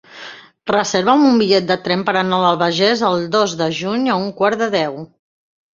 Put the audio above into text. Reserva'm un bitllet de tren per anar a l'Albagés el dos de juny a un quart de deu.